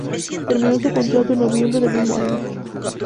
Terminó su contrato en noviembre del mismo año.